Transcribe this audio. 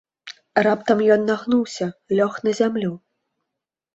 Раптам ён нагнуўся, лёг на зямлю.